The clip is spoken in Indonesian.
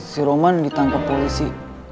si roman ditangkap polisi